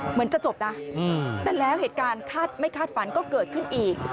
เหมือนจะจบนะแต่แล้วเหตุการณ์ไม่คาดฝันก็เกิดขึ้นอีก